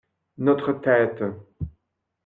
Notre tête.